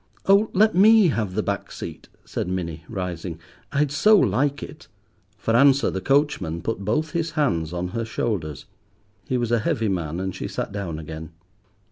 "Oh, let me have the back seat," said Minnie, rising, "I'd so like it." For answer the coachman put both his hands on her shoulders. He was a heavy man, and she sat down again.